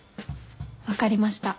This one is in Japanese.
分かりました。